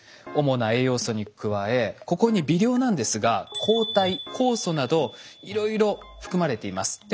主な栄養素に加えここに微量なんですが抗体酵素などいろいろ含まれています。